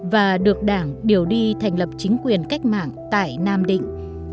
và được đảng điều đi thành lập chính quyền cách mạng tại nam định